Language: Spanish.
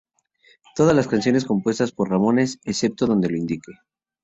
Todas las canciones compuestas por Ramones excepto donde lo indica.